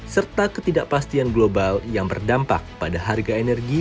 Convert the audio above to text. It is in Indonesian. serta ketidakpastian global yang berdampak pada harga energi